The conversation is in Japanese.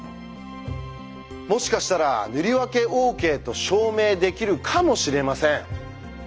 もしかしたら塗り分けＯＫと証明できるかもしれません。